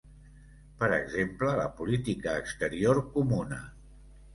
Per exemple, la política exterior comuna.